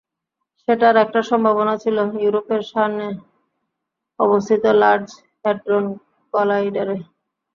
সেটার একটা সম্ভাবনা ছিল ইউরোপের সার্নে অবস্থিত লার্জ হেড্রন কলাইডারে।